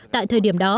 tại thời điểm đó